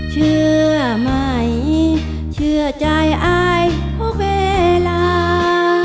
เชื่อไหมเชื่อใจอายเพราะเวลา